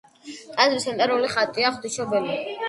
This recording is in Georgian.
ტაძრის ცენტრალური ხატია „ღვთისმშობელი“.